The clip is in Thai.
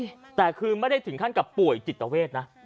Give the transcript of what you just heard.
ชาวบ้านญาติโปรดแค้นไปดูภาพบรรยากาศขณะ